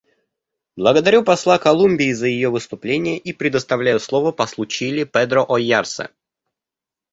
Благодарю посла Колумбии за ее выступление и предоставляю слово послу Чили Педро Ойярсе.